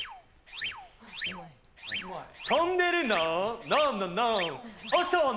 飛んでるの？